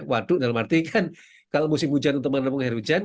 waduk dalam arti kan kalau musim hujan untuk menampung air hujan